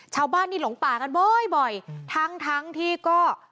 ชาวบ้านนี่หลงป่ากันบ่อยบ่อยทั้งทั้งที่ก็